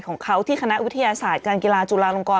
ของเขาที่คณะวิทยาศาสตร์การกีฬาจุฬาลงกร